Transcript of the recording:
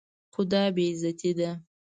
خو دا بې غيرتي ده.